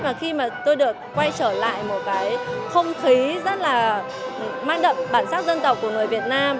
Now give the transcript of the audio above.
và khi mà tôi được quay trở lại một cái không khí rất là mang đậm bản sắc dân tộc của người việt nam